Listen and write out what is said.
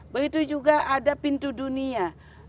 begitu juga ada pintu dunia